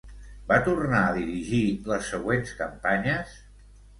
Va tornar a dirigir les següents campanyes?